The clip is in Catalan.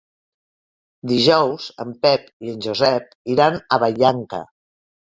Dijous en Pep i en Josep iran a Vallanca.